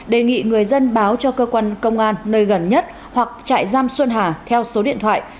đề nghị người dân báo cho cơ quan công an nơi gần nhất hoặc trại giam xuân hà theo số điện thoại